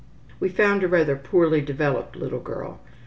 We found a rather poorly developed little girl.